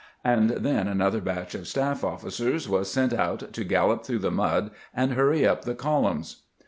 And then another batch of staff ofiicers was sent out to gallop through the mud and hurry up the columns.